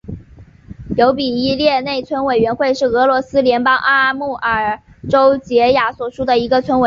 尤比列伊内村委员会是俄罗斯联邦阿穆尔州结雅区所属的一个村委员会。